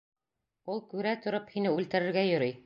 Ул күрә тороп һине үлтерергә йөрөй.